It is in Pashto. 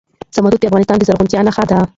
زمرد د افغانستان د زرغونتیا نښه ده.